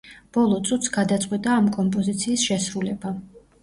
ბოლო წუთს გადაწყვიტა ამ კომპოზიციის შესრულება.